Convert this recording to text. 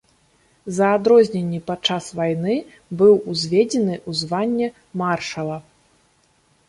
За адрозненні падчас вайны быў узведзены ў званне маршала.